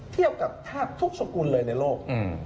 เทียบกับแทบทุกสกุลเลยในโลก